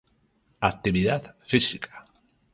Actividad Física